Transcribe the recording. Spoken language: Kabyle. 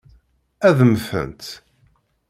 Ad mmtent.